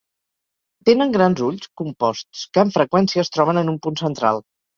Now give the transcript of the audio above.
Tenen grans ulls composts, que amb freqüència es troben en un punt central.